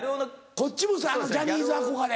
こっちもジャニーズ憧れ。